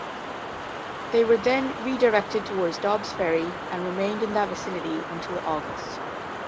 They were then redirected towards Dobb's Ferry and remained in that vicinity until August.